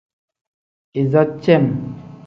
Iza cem.